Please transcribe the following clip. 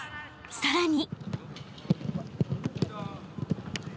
［さらに］